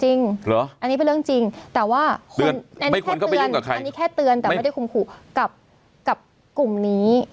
จริงอันนี้เป็นเรื่องจริงแต่ว่าอันนี้แค่เตือนแต่ไม่ได้ขุมขู่กับกลุ่มนี้